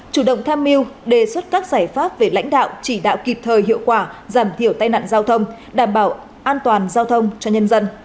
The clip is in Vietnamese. chủ động tham mưu đề xuất các giải pháp về lãnh đạo chỉ đạo kịp thời hiệu quả giảm thiểu tai nạn giao thông đảm bảo an toàn giao thông cho nhân dân